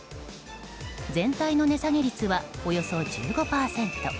全体の値下げ率はおよそ１５％。